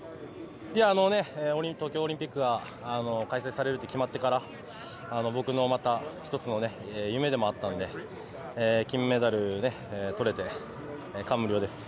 東京オリンピックは開催されると決まってから、僕のまた一つの夢でもあったので、金メダルを取れて、感無量です。